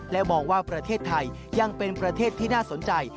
และมองว่าประเทศไทยยังเป็นประเทศที่น่าสนใจ